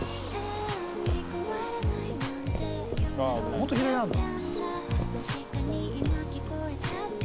ホント左なんだ。